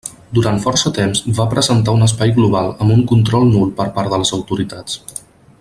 Durant força temps va representar un espai global amb un control nul per part de les autoritats.